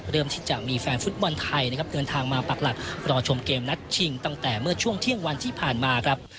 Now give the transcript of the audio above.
ที่จะมีแฟนฟุตบอลไทยนะครับเดินทางมาปักหลักรอชมเกมนัดชิงตั้งแต่เมื่อช่วงเที่ยงวันที่ผ่านมาครับ